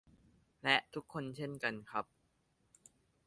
และทุกคนเช่นกันครับ